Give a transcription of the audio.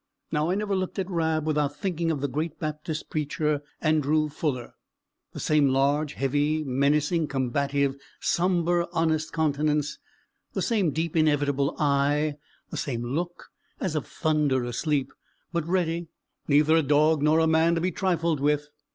Now, I never looked at Rab without thinking of the great Baptist preacher, Andrew Fuller. The same large, heavy, menacing, combative, sombre, honest countenance, the same deep inevitable eye, the same look as of thunder asleep, but ready neither a dog nor a man to be trifled with.